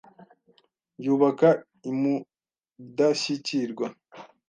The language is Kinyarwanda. Yubaka i Mudashyikirwa